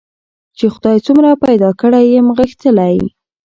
چي خدای څومره پیدا کړی یم غښتلی